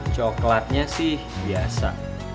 coklatnya sih biasa